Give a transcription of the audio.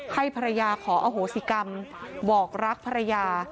ให้ภรรยาขออโหสิกรรมบอกรักภรรยา